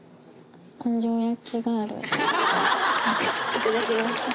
いただきました